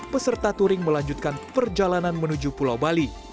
peserta touring melanjutkan perjalanan menuju pulau bali